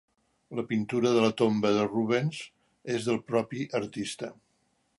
La pintura de la tomba de Rubens és del propi artista.